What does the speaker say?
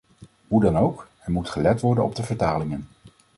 Hoe dan ook, er moet gelet worden op de vertalingen.